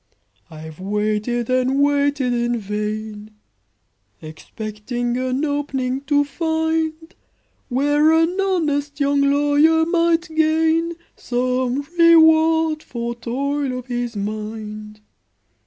"I've waited and waited in vain, Expecting an 'opening' to find, Where an honest young lawyer might gain Some reward for toil of his mind.